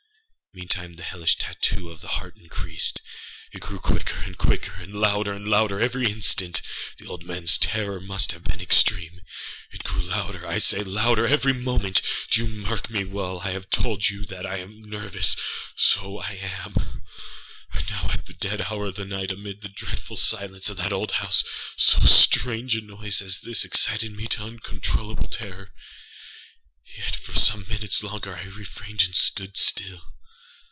Meantime the hellish tattoo of the heart increased. It grew quicker and quicker, and louder and louder every instant. The old manâs terror must have been extreme! It grew louder, I say, louder every moment!âdo you mark me well? I have told you that I am nervous: so I am. And now at the dead hour of the night, amid the dreadful silence of that old house, so strange a noise as this excited me to uncontrollable terror. Yet, for some minutes longer I refrained and stood still.